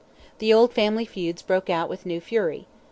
The old family feuds broke out with new fury.